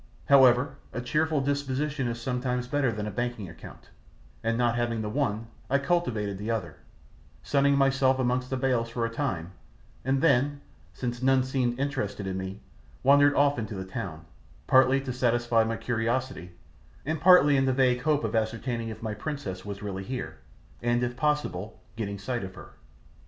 However, a cheerful disposition is sometimes better than a banking account, and not having the one I cultivated the other, sunning myself amongst the bales for a time, and then, since none seemed interested in me, wandered off into the town, partly to satisfy my curiosity, and partly in the vague hope of ascertaining if my princess was really here, and, if possible, getting sight of her.